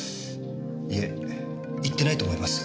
いえ行ってないと思います。